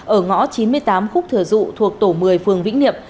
ở ngõ chín mươi tám khúc thừa dụ thuộc tổ một mươi phường vĩnh niệm